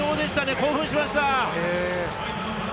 興奮しました。